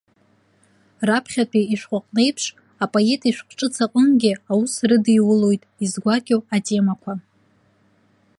Раԥхьатәи ишәҟәы аҟны еиԥш, апоет ишәҟә ҿыц аҟынгьы аус рыдиулоит изгәакьоу атемақәа.